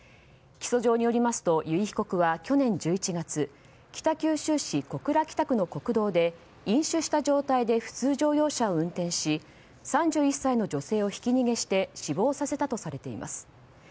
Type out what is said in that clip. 起訴状によりますと由井被告は去年１１月北九州市小倉北区の国道で飲酒した状態で普通乗用車を運転し３１歳の女性をひき逃げして死亡させたとされています。